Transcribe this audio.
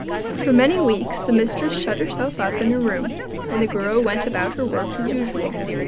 For many weeks the mistress shut herself up in her room, and the girl went about her work as usual.